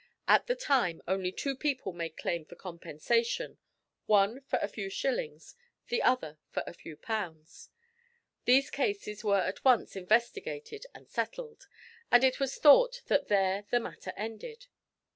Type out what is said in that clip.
At the time only two people made claim for compensation, one for a few shillings, the other for a few pounds. These cases were at once investigated and settled, and it was thought that there the matter ended.